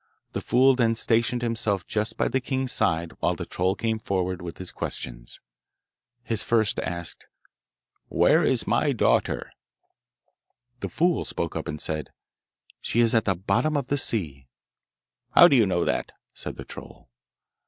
The fool then stationed himself just by the king's side while the troll came forward with his questions. He first asked, 'Where is my daughter?' The fool spoke up and said, 'She is at the bottom of the sea.' 'How do you know that?' said the troll.